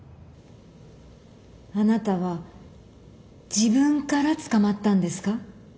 あなたは自分から捕まったんですか？